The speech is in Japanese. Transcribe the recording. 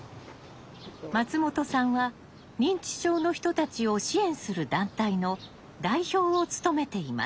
松本さんは認知症の人たちを支援する団体の代表を務めています。